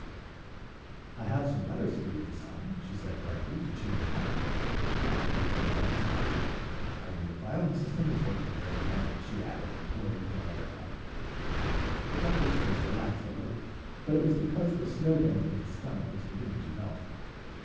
"I have some letters for you to sign," she said brightly, to cheer him up. Dr. Brinton drank his coffee. "Our new filing system is working very well," she added, pouring him another cup. The doctor's face relaxed a little, but it was because the snow bank in his stomach was beginning to melt.